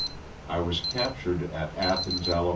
I was captured at Athens, Ala.